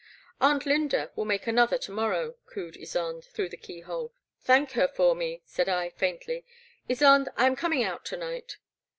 Aunt Lynda will make another to morrow," cooed Ysonde through the key hole. Thank her for me,'' said I faintly; Ysonde, I am coming out to night.